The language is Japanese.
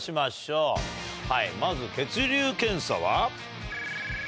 まず血流検査は。